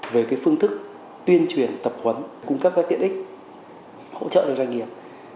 về cái phương thức tuyên truyền tập huấn cung cấp các tiện ích hỗ trợ doanh nghiệp